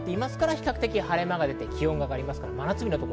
比較的晴れ間が出て気温も上がります。